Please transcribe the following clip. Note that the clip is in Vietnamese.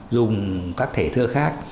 dùng các thể thơ khác